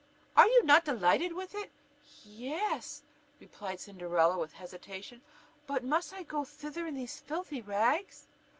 Are you not delighted with it?" "Y e s," replied Cinderella with hesitation, "but must I go thither in these filthy rags?"